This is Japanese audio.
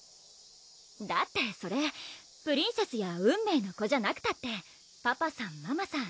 だってそれプリンセスや運命の子じゃなくたってパパさんママさん